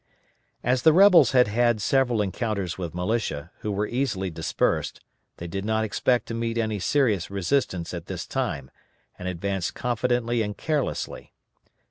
"_] As the rebels had had several encounters with militia, who were easily dispersed, they did not expect to meet any serious resistance at this time, and advanced confidently and carelessly.